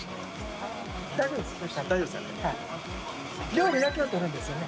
料理だけを撮るんですよね？